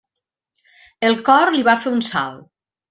El cor li va fer un salt.